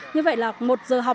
như vậy là một giờ học dạy học